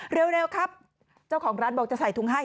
เร็วครับเจ้าของร้านบอกจะใส่ถุงให้